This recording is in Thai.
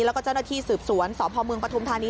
แล้วก็เจ้าหน้าที่สืบสวนสพเมืองปฐุมธานี